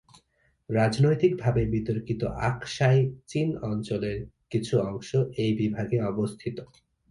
রাজনৈতিক ভাবে বিতর্কিত আকসাই চিন অঞ্চলের কিছু অংশ এই বিভাগে অবস্থিত।